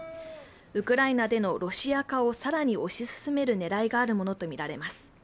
ウクライナでのロシア化を更に推し進める狙いがあるものとみられます。